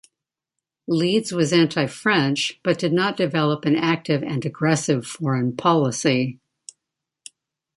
Leeds was anti-French but did not develop an active and aggressive foreign policy.